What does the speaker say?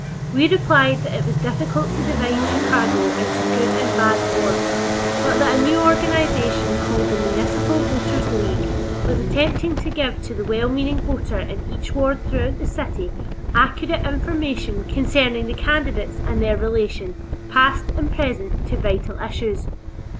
We replied that it was difficult to divide Chicago into good and bad wards, but that a new organization called the Municipal Voters' League was attempting to give to the well meaning voter in each ward throughout the city accurate information concerning the candidates and their relation, past and present, to vital issues.